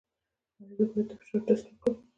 ایا زه باید د فشار ټسټ وکړم؟